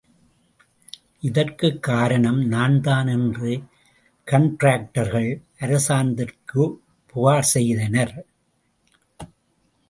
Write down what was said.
இதற்குக் காரணம் நான்தான் என்று காண்டராக்டர்கள் அரசாங்கத்திற்குப் புகார்செய்தனர்.